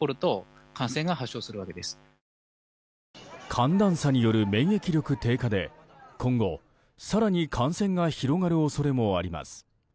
寒暖差による免疫力低下で今後、更に感染が広がる恐れもあります。